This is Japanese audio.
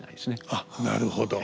あっなるほど。